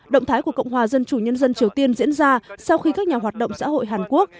động thái của cộng hòa dân chủ nhân dân triều tiên diễn ra sau khi các nhà hoạt động xã hội hàn quốc